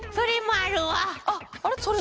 あれ？